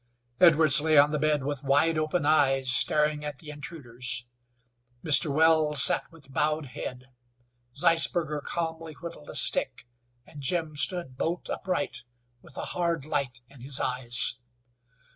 Edwards lay on the bed with wide open eyes staring at the intruders. Mr. Wells sat with bowed head. Zeisberger calmly whittled a stick, and Jim stood bolt upright, with a hard light in his eyes.